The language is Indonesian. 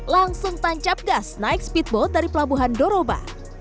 langsung tancap gas naik speedboat dari pelabuhan doroba